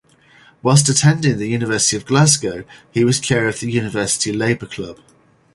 Whilst attending the University of Glasgow he was Chair of the University Labour Club.